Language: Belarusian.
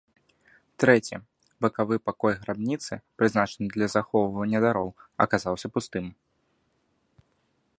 Трэці, бакавы пакой грабніцы, прызначаны для захоўвання дароў аказаўся пустым.